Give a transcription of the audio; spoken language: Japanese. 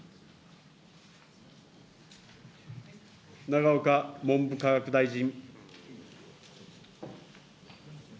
永岡文部科学大臣。